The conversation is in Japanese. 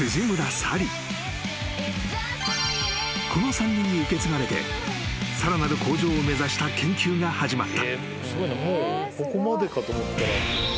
［この３人に受け継がれてさらなる向上を目指した研究が始まった］